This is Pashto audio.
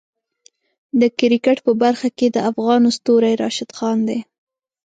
د کرکټ په برخه کې د افغانو ستوری راشد خان دی.